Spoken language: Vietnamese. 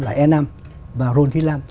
là e năm và ron g năm